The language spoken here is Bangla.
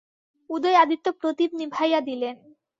উদয়াদিত্য প্রদীপ নিবাইয়া দিলেন।